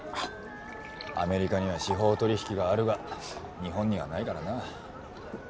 アメリカには司法取引があるが日本にはないからな。